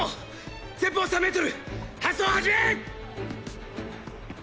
前方３メートル搬送始めッ。